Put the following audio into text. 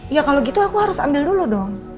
ya kalau gitu aku harus ambil dulu dong